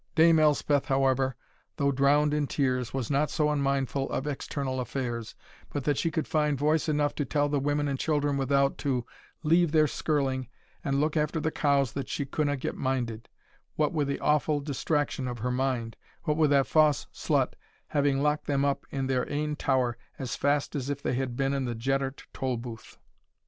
Dame Elspeth, however, though drowned in tears, was not so unmindful of external affairs, but that she could find voice enough to tell the women and children without, to "leave their skirling, and look after the cows that she couldna get minded, what wi' the awfu' distraction of her mind, what wi' that fause slut having locked them up in their ain tower as fast as if they had been in the Jeddart tolbooth."